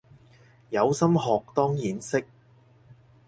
有心學當然識